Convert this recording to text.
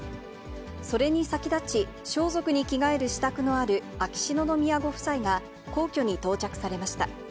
それに先立ち、装束に着替える支度のある秋篠宮ご夫妻が皇居に到着されました。